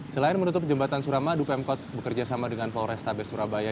selain menutup jembatan suramadu pemkot bekerjasama dengan polresta bes surabaya